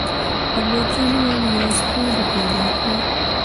اکبر جان وویل: یو سپی به پیدا کړو.